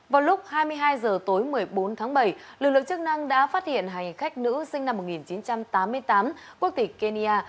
vào lúc hai mươi hai h tối một mươi bốn tháng bảy lực lượng chức năng đã phát hiện hành khách nữ sinh năm một nghìn chín trăm tám mươi tám quốc tịch kenya